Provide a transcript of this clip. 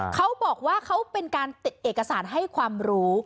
เขาบอกว่าเขาเป็นการติดเอกสารให้ความรู้